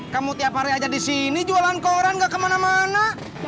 kamu tiap hari aja di sini jualan koran gak kemana mana